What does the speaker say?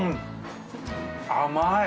甘い。